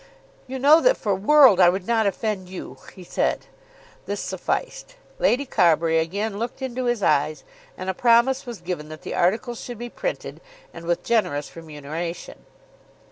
"You know that for worlds I would not offend you," he said. This sufficed. Lady Carbury again looked into his eyes, and a promise was given that the articles should be printed and with generous remuneration.